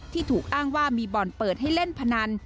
ถูกอ้างว่ามีบ่อนเปิดให้เล่นพนัน